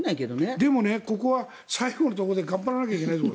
でもここは最後のところで頑張らなきゃいけないところ。